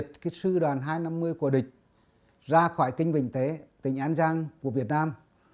tiêu diệt kích sư đoàn hai trăm năm mươi của địch ra khỏi kinh vĩnh thế tỉnh an giang của việt nam